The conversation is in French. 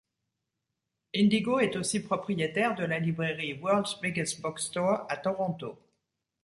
Indigo est aussi propriétaire de la librairie World's Biggest Bookstore à Toronto.